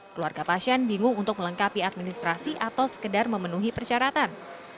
keluarga pasien bingung untuk melengkapi administrasi atau sekedar memenuhi persyaratan